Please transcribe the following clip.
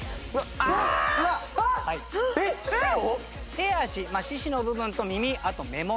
手足四肢の部分と耳あと目元。